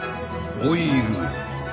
「オイル」？